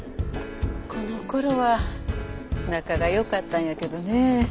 この頃は仲が良かったんやけどねえ。